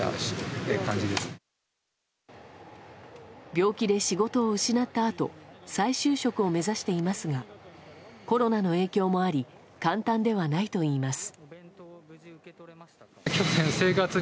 病気で仕事を失ったあと再就職を目指していますがコロナの影響もあり簡単ではないといいます。